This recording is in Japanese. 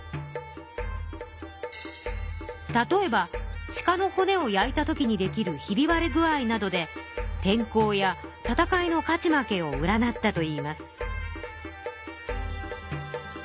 例えば鹿の骨を焼いたときにできるひびわれ具合などで天候や戦いの勝ち負けを占ったといいます。